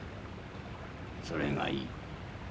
それがいい。